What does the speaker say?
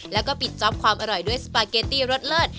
แล้วก็ปิดจ๊อปความอร่อยด้วยสปาเกตตี้รสเลิศ